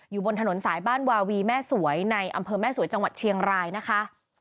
อยู่บนถนนสายบ้านวาวีแม่สวยในอำเภอแม่สวยจังหวัดเชียงรายนะคะ